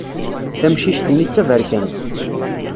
Tamcict-nni d taberkant.